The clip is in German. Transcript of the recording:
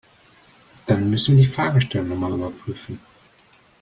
Dann müssen wir die Fahrgestellnummer überprüfen.